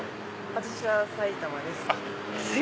私は埼玉です。